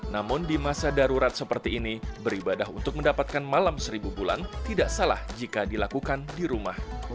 namun di masa darurat seperti ini beribadah untuk mendapatkan malam seribu bulan tidak salah jika dilakukan di rumah